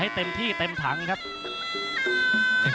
นักมวยจอมคำหวังเว่เลยนะครับ